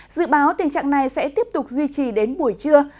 dự báo tình trạng này sẽ tiếp tục duy trì đến buổi trưa